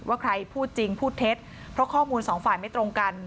ว่าใครพูดจริงพูดเท็จเพราะข้อมูลสองฝ่ายไม่ตรงกัน